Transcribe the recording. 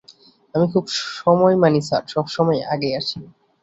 আমি খুব সময় মানি স্যার, সবসময় আগেই আসি।